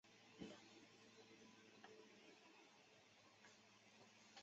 波斯尼亚的塞尔维亚共和国被洪水淹没至瘫痪程度。